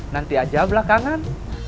nanti aja belakangan